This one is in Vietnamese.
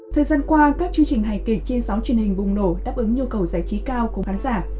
thời gian qua các chương trình hài kịch trên sóng truyền hình bùng nổ đáp ứng nhu cầu giải trí cao của khán giả